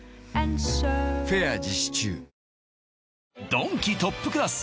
ドンキトップクラス